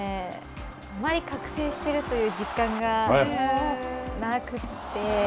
あまり覚醒してるという実感がなくって。